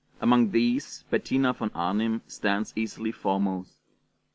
Among these Bettina von Arnim stands easily foremost.